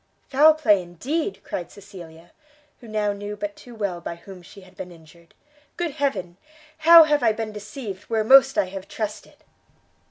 "Foul play indeed!" cried Cecilia, who now knew but too well by whom she had been injured. "Good heaven, how have I been deceived, where most I have trusted!"